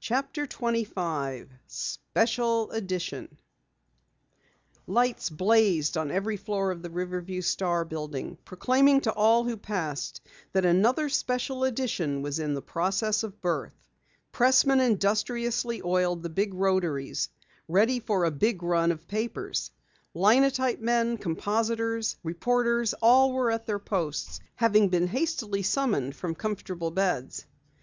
CHAPTER 25 SPECIAL EDITION Lights blazed on every floor of the Riverview Star building, proclaiming to all who passed that another special edition was in the process of birth. Pressmen industriously oiled the big rotaries ready for a big run of papers; linotype men, compositors, reporters, all were at their posts, having been hastily summoned from comfortable beds.